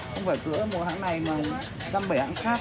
không phải cửa một hãng này mà ra bảy hãng khác